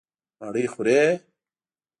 _مړۍ خورې؟